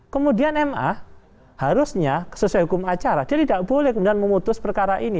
kemudian ma harusnya sesuai hukum acara dia tidak boleh kemudian memutus perkara ini